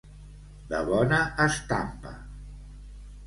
De bona estampa.